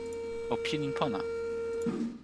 o pilin pona.